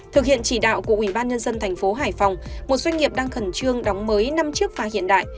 thực hiện chỉ đạo của ubnd tp hải phòng một doanh nghiệp đang khẩn trương đóng mới năm chiếc phà hiện đại